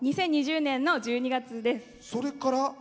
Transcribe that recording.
２０２０年の１２月です。